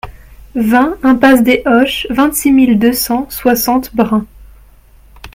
vingt impasse des Oches, vingt-six mille deux cent soixante Bren